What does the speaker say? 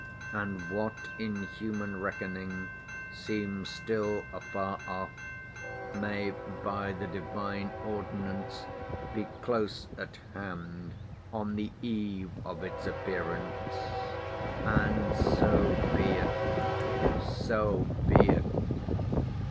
And what in human reckoning seems still afar off, may by the Divine ordinance be close at hand, on the eve of its appearance. And so be it, so be it!"